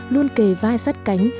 luôn kề vai sát cánh